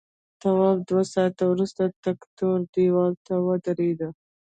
تواب دوه ساعته وروسته تک تور دیوال ته ودرېد.